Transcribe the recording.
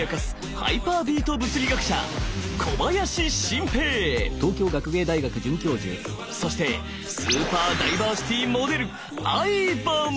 ハイパービート物理学者そしてスーパー・ダイバーシティモデル